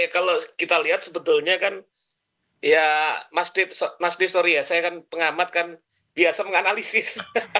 kalau kita lihat sebetulnya kan ya mas des sorry ya saya kan pengamat kan biasa menganalisis